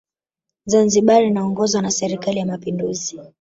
zanzibar inaongozwa na serikali ya mapinduzi